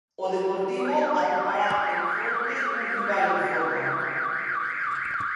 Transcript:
O Deportivo atopará en fronte un rival en forma.